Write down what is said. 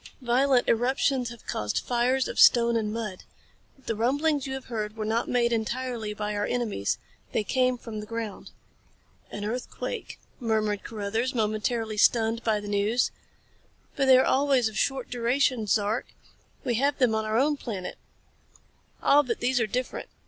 Violent eruptions have caused fires of stone and mud. The rumblings you have heard were not made entirely by our enemies. They came from the ground. "An earthquake," murmured Carruthers, momentarily stunned by the news. "But they are always of short duration, Zark. We have them on our own planet." "Ah, but these are different.